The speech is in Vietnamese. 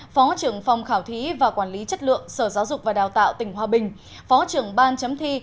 phó trưởng phòng khảo thí và quản lý chất lượng sở giáo dục và đào tạo tỉnh hòa bình phó trưởng ban chấm thi